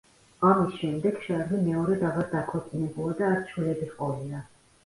ამის შემდეგ შარლი მეორედ აღარ დაქორწინებულა და არც შვილები ჰყოლია.